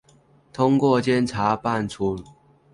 通过检察办案促进复工复产